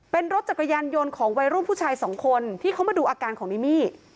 เป็นรถจักรยานยนต์ของวัยรุ่นผู้ชายสองคนที่เขามาดูอาการของนิมี่